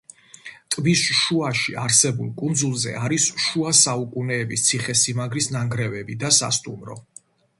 ტბის შუაში არსებულ კუნძულზე არის შუა საუკუნეების ციხე-სიმაგრის ნანგრევები და სასტუმრო.